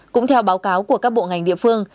cũng theo báo cáo của các bộ ngành địa phương